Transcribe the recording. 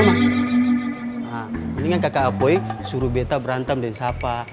nah ini kan kakak apoy suruh bete berantem dengan siapa